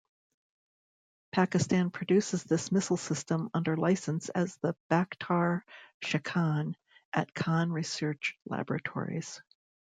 Pakistan produces this missile system under licence as the Baktar-Shikan at Khan Research Laboratories.